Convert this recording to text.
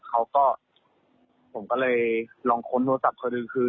เค้าก็ผมก็เลยลองค้นโทษภาพเค้าเลย